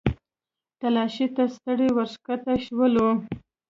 تلاشۍ ته ستړي ورښکته شولو.